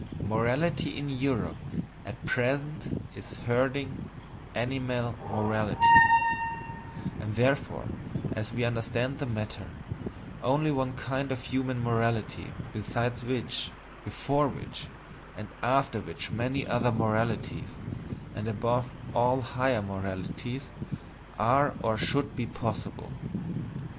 MORALITY IN EUROPE AT PRESENT IS HERDING ANIMAL MORALITY, and therefore, as we understand the matter, only one kind of human morality, beside which, before which, and after which many other moralities, and above all HIGHER moralities, are or should be possible.